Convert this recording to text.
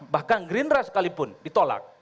bahkan gedenra sekalipun ditolak